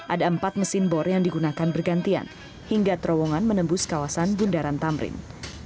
ada empat mesin bor yang digunakan bergantian hingga terowongan menembus kawasan bundaran tamrin